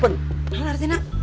kenapa rete nak